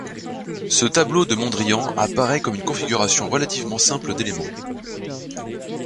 Ce tableau de Mondrian apparaît comme une configuration relativement simple d'éléments.